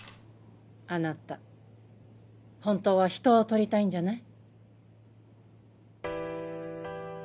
あなた本当は人を撮りたいんじゃない？